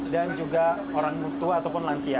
dan juga orang tua ataupun lansia